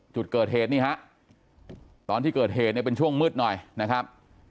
จุดเกิดเหตุนี่ฮะตอนที่เกิดเหตุเนี่ยเป็นช่วงมืดหน่อยนะครับ